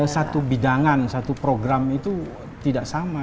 satu bidangan satu program itu tidak sama